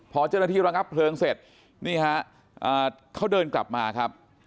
พอเจ้าหน้าที่ระงับเพลิงเสร็จนี่ฮะเขาเดินกลับมาครับ